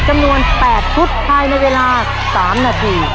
จำนวน๘ชุดภายในเวลา๓นาที